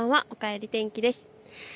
おかえり天気です。